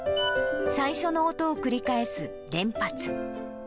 最初の音を繰り返す連発。